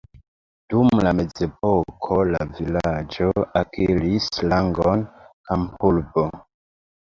Dum la mezepoko la vilaĝo akiris rangon kampurbo.